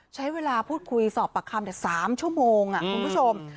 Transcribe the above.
ใช้เวลาพูดคุยสอบปากคำ๓ชั่วโมงคุณผู้ชม